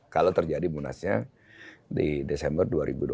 kalau terjadi munasnya di desember dua ribu dua puluh